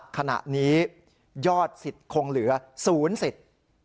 ขณะนี้ยอดสิทธิ์คงเหลือ๐สิทธิ์